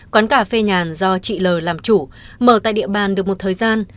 quán cà phê nhàn do chị l làm chủ mở tại địa bàn được một thời gian